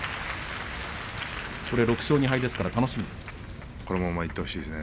６勝２敗ですから楽しみですね。